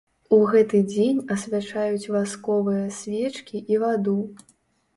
У гэты дзень асвячаюць васковыя свечкі і ваду.